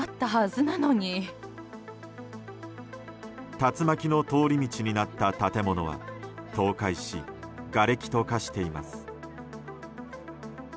竜巻の通り道になった建物は倒壊し、がれきと化しています。